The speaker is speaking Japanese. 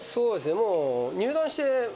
もう。